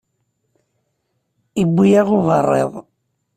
Iwwi-yaɣ uberriḍ.